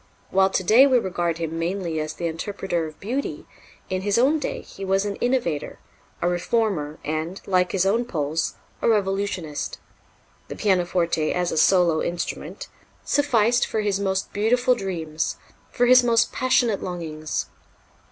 While to day we regard him mainly as the interpreter of beauty, in his own day he was an innovator, a reformer and, like his own Poles, a revolutionist. The pianoforte the pianoforte as a solo instrument sufficed for his most beautiful dreams, for his most passionate longings.